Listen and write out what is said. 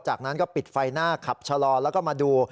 จากนั้นก็ปิดไฟหน้าขับชะลอแล้วก็มาดู